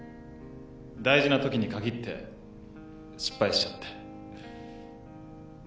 大事なときに限って失敗しちゃって。